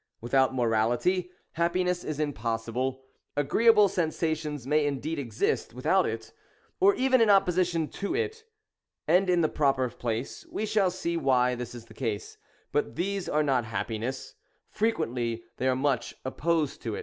Without morality, happiness is impossible. Agreeable sensations may indeed exist without it, or even in opposition to it, — and in the proper place we shall see why this is the case; — but these are not happiness : frequently they are much opposed to it.